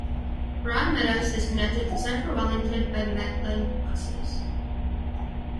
Broadmeadows is connected to central Wellington by Metlink buses.